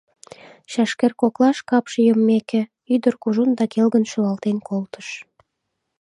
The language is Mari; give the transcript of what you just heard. Чашкер коклаш капше йоммеке, ӱдыр кужун да келгын шӱлалтен колтыш.